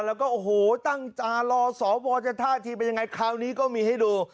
แล้วก็โอ้โหตั้งตารอสวจะท่าทีเป็นยังไงคราวนี้ก็มีให้ดู